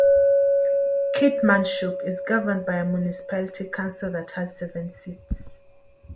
Keetmanshoop is governed by a municipality council that has seven seats.